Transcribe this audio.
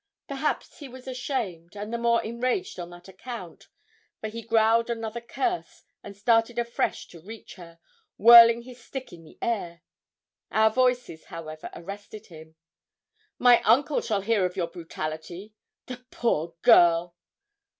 Perhaps he was ashamed, and the more enraged on that account, for he growled another curse, and started afresh to reach her, whirling his stick in the air. Our voices, however, arrested him. 'My uncle shall hear of your brutality. The poor girl!'